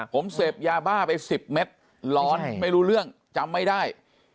ผมเสพยาบ้าไป๑๐เม็ดร้อนไม่รู้เรื่องจำไม่ได้